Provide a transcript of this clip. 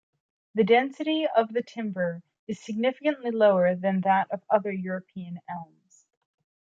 The density of the timber is significantly lower than that of other European elms.